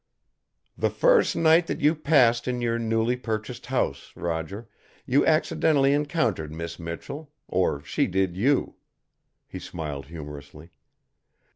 "The first night that you passed in your newly purchased house, Roger, you accidentally encountered Miss Michell; or she did you!" He smiled humorously.